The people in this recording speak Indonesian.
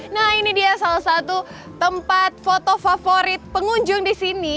nah ini dia salah satu tempat foto favorit pengunjung di sini